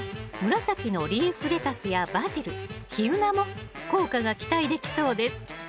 紫のリーフレタスやバジルヒユナも効果が期待できそうですＯＫ。